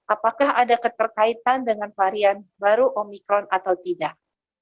apakah ada keterkaitan dengan varian baru omikron atau tidak